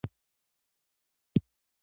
دا یوازې د قیصر د ژوندلیک کیسه نه ده.